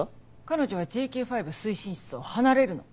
彼女はＪＫ５推進室を離れるの。